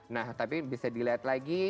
nah tapi bisa dilihat lagi